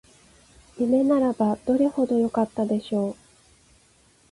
夢ならばどれほどよかったでしょう